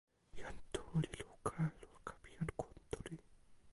jan Tu li luka e luka pi jan Kuntuli.